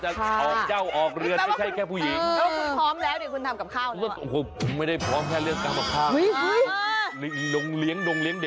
ออกเจ้าออกเรือนไม่ใช่แค่ผู้หญิง